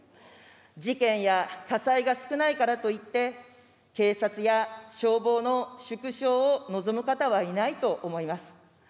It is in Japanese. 事件や火災が少ないからといって、警察や消防の縮小を望む方はいないと思います。